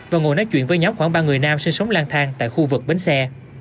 và ngồi nói chuyện với nhóm khoảng ba người nam sinh sống lang thang tại khu vực bến xe